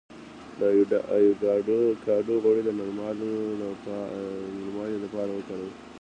د ایوکاډو غوړي د نرموالي لپاره وکاروئ